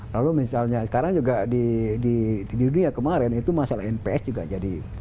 lalu misalnya sekarang juga di dunia kemarin itu masalah nps juga jadi